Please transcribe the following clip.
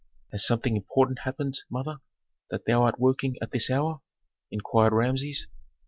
"Has something important happened, mother, that thou art working at this hour?" inquired Rameses.